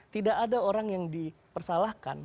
tidak ada orang yang dipersalahkan